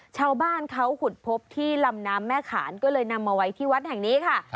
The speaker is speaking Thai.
ชาวบ้านเขาขุดพบที่ลำน้ำแม่ขานก็เลยนำมาไว้ที่วัดแห่งนี้ค่ะ